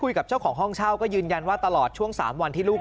กับเจ้าของห้องเช่าก็ยืนยันว่าตลอดช่วง๓วันที่ลูก